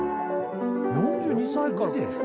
４２歳から。